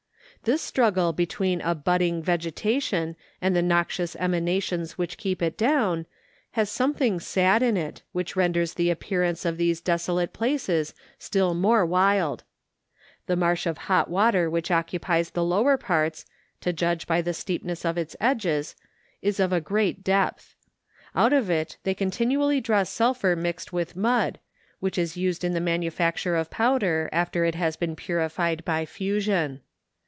This struggle between a bud¬ ding vegetation and the noxious emanations •Which keep it do wn, has something sad in it, which renders the appearance of these desolate places still more wild. The marsh of hot water which occupies the lower parts, to judge by the steepness of its edges, is of a great depth. Out of it they continually draw sulphur mixed with mud, which is used in the manufacture of powder, after it has been purified by fusion.